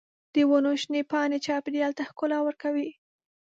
د ونو شنې پاڼې چاپېریال ته ښکلا ورکوي.